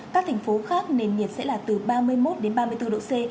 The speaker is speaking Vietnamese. các thành phố khác nền nhiệt sẽ là từ ba mươi một đến ba mươi bốn độ c